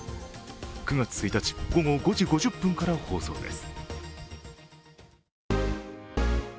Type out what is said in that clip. ９月１日午後５時５０分から放送です。